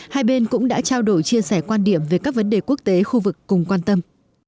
hai bên cũng đã trao đổi chia sẻ quan điểm về các vấn đề quốc tế khu vực cùng quan tâm